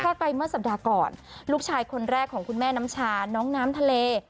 ไปเมื่อสัปดาห์ก่อนลูกชายคนแรกของคุณแม่น้ำชาน้องน้ำทะเล